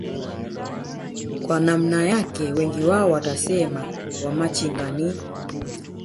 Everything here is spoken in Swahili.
kwa namna yake wengi wao watasema wamachinga ni